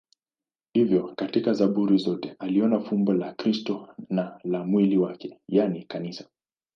Hivyo katika Zaburi zote aliona fumbo la Kristo na la mwili wake, yaani Kanisa.